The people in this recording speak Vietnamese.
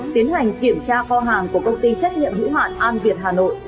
tiến hành kiểm tra kho hàng của công ty trách nhiệm của hà nội